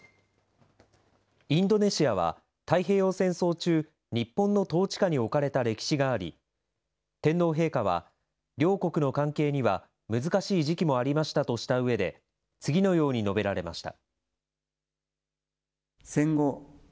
インドネシアは太平洋戦争中、日本の統治下に置かれた歴史があり、天皇陛下は、両国の関係には難しい時期もありましたとしたうえで、次のように述べられました。